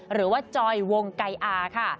หรือว่าจอยวงไก่อาค่ะ